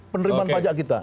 penerimaan pajak kita